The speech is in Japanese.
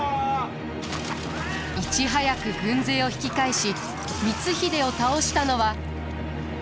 いち早く軍勢を引き返し光秀を倒したのは。